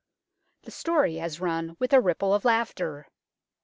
The story has run with a ripple of laughter.